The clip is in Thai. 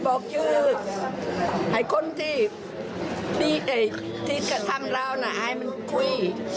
บอกชื่อไอ้คนที่กระทำเราน่ะให้มันคุย